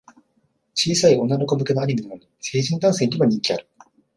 小さい女の子向けのアニメなのに、成人男性にも人気ある